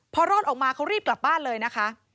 พอรอดออกมาเขารีบกลับบ้านเลยนะคะ